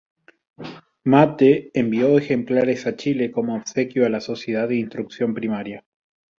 Matte envió ejemplares a Chile como obsequio a la Sociedad de Instrucción Primaria.